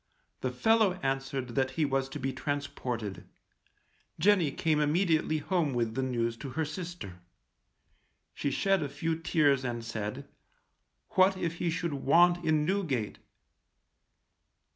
The fellow answered that he was to be transported. Jenny came immediately home with the news to her sister. She shed a few tears and said, what if he should want in Newgate?